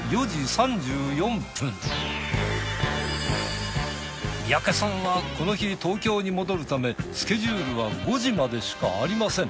三宅さんはこの日東京に戻るためスケジュールは５時までしかありません。